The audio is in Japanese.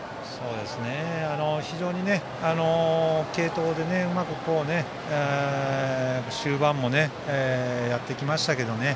非常に継投でうまく終盤もやってきましたけれどもね。